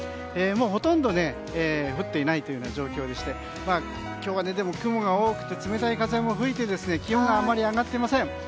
ほとんど降っていないという状況でして今日は雲が多くて冷たい風も吹いて気温はあまり上がっていません。